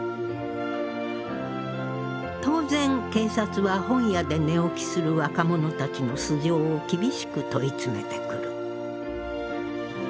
当然警察は本屋で寝起きする若者たちの素性を厳しく問い詰めてくる。